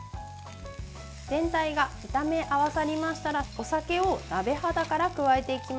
全体が炒め合わさりましたらお酒を鍋肌から加えていきます。